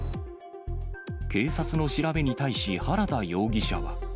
警察の調べに対し、原田容疑者は。